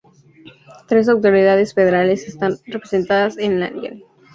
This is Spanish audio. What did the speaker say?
Tres autoridades federales están representadas en Langen.